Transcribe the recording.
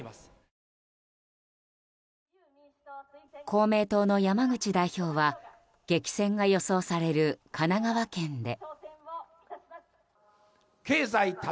公明党の山口代表は激戦が予想される神奈川県で。